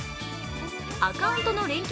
アカウントの連携